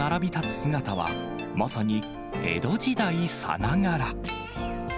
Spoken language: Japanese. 姿は、まさに江戸時代さながら。